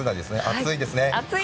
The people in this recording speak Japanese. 熱いですね。